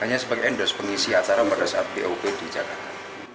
hanya sebagai endos pengisi acara mbak desat bop di jakarta